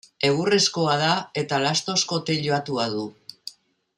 Egurrezkoa da eta lastozko teilatua du.